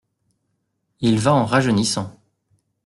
Il va en rajeunissant.